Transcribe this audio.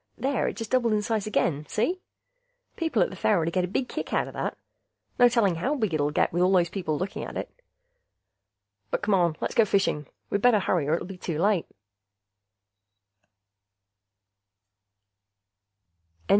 There ... it just doubled its size again, see? People at the fair oughtta get a big kick outta that. No telling how big it'll get with all those people looking at it. But come on, let's go fishing. We'd better hurry or it'll be too late.